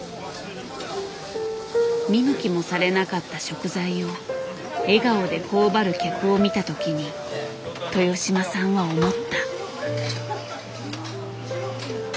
見向きもされなかった食材を笑顔で頬張る客を見た時に豊島さんは思った。